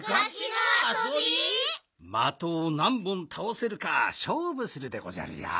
まとをなんぼんたおせるかしょうぶするでごじゃるよ。